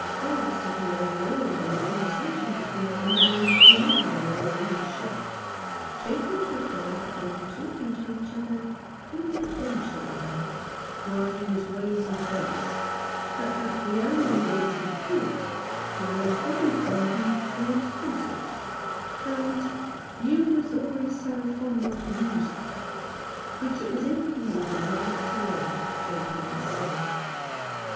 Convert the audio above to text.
Asked if he overheard any conversation be tween the man and woman while they were in his shop, Jakins replied that they were talking to 129 K Rough Justice. each other, " confidential like," while he was weigh ing the grapes, but that the only words he had caught were " Covent Garden," and " Concert," and "You was always so fond of music," "which it was him made the remark to her," Jakins said.